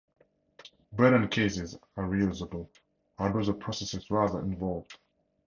Berdan cases are reusable, although the process is rather involved.